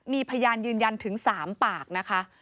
มีพยานยืนยันถึง๓ปากนะคะ